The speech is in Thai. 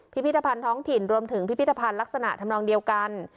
พิพิธภัณฑ์ท้องถิ่นรวมถึงพิพิธภัณฑ์ลักษณะทำนองเดียวกัน